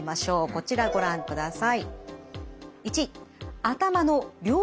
こちらご覧ください。